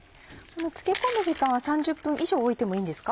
漬け込む時間は３０分以上置いてもいいんですか？